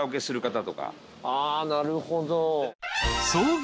ああなるほど。